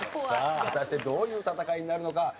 さあ果たしてどういう戦いになるのか？